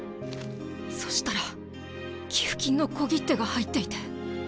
そしたら寄付金の小切手が入っていて。